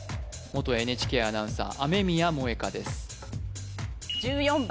元ＮＨＫアナウンサー雨宮萌果です